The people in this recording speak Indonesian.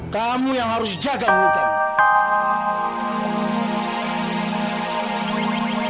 kamu yang harus jaga mulut kamu